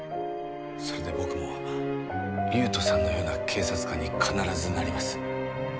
それで僕も優人さんのような警察官に必ずなります。